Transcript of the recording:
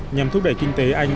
nhằm thúc đẩy kinh tế anh